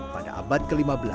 pada abad ke lima belas